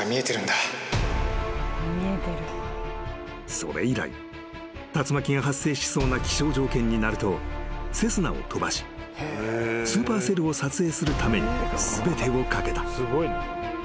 ［それ以来竜巻が発生しそうな気象条件になるとセスナを飛ばしスーパーセルを撮影するために全てを懸けた］